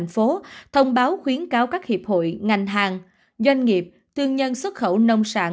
phố thông báo khuyến cáo các hiệp hội ngành hàng doanh nghiệp thương nhân xuất khẩu nông sản